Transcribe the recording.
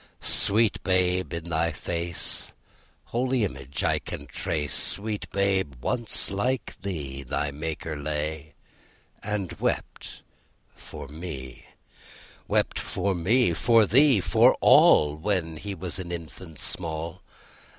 Sweet babe, in thy face Holy image I can trace; Sweet babe, once like thee Thy Maker lay, and wept for me: Wept for me, for thee, for all, When He was an infant small.